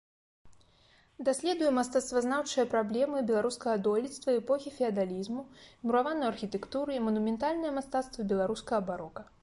Даследуе мастацтвазнаўчыя праблемы беларускага дойлідства эпохі феадалізму, мураваную архітэктуру і манументальнае мастацтва беларускага барока.